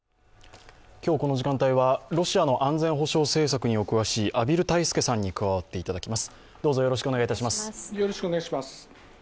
今日この時間帯はロシアの安全保障政策にお詳しい畔蒜泰助さんに加わっていただきます。